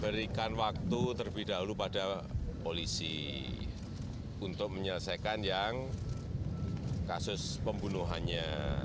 berikan waktu terlebih dahulu pada polisi untuk menyelesaikan yang kasus pembunuhannya